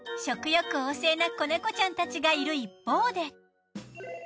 食欲旺盛な子猫ちゃんたちがいる一方で。